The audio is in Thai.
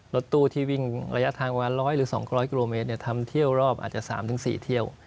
รถตู้ที่วิ่งระยะทางประมาณ๑๐๐หรือ๒๐๐กิโลเมตรทำเที่ยวรอบอาจจะ๓๔เที่ยว